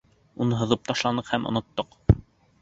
Уны һыҙып ташланыҡ һәм оноттоҡ!